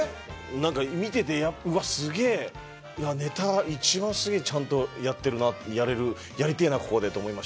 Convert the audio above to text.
なんか見ててうわっすげえネタ一番すげえちゃんとやってるなやれるやりてえなここでと思いましたもん。